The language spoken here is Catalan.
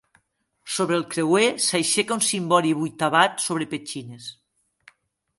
Sobre el creuer s'aixeca un cimbori vuitavat sobre petxines.